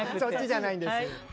そっちじゃないんです。